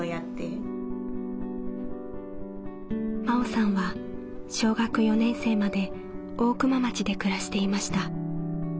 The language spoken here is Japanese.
真緒さんは小学４年生まで大熊町で暮らしていました。